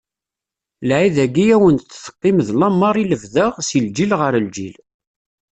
Lɛid-agi, ad wen-d-teqqim d lameṛ i lebda si lǧil ɣer lǧil.